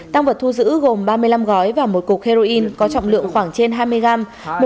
tăng vật thu giữ gồm ba mươi năm gói và một cục heroin có trọng lượng khoảng trên hai mươi gram